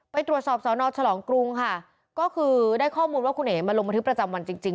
ไปตรวจสอบสอนอฉลองกรุงค่ะก็คือได้ข้อมูลว่าคุณเอ๋มาลงบันทึกประจำวันจริงจริง